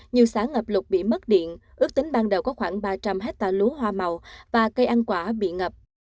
nhiều xã ngập lục bị mất điện ước tính ban đầu có khoảng ba trăm linh hectare lúa hoa màu và cây ăn quả bị ngập